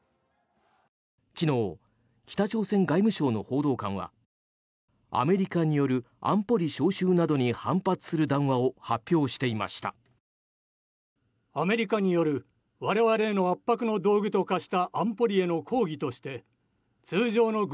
昨日、北朝鮮外務省の報道官はアメリカによる安保理招集などに反発する談話を発表していました。